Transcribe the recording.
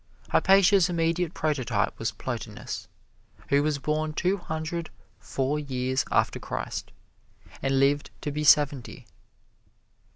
Hypatia's immediate prototype was Plotinus, who was born two hundred four years after Christ, and lived to be seventy.